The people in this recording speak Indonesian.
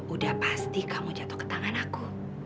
udah pasti kamu jatuh ke tangan aku